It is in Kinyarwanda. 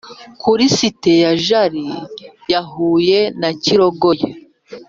kuri site ya jali yahuye na kirogoya